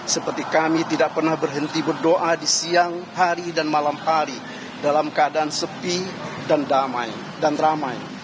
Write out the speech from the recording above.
seperti kami tidak pernah berhenti berdoa di siang hari dan malam hari dalam keadaan sepi dan damai dan ramai